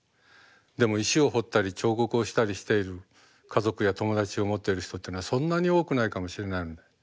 でも石を彫ったり彫刻をしたりしている家族や友達を持っている人っていうのはそんなに多くないかもしれない。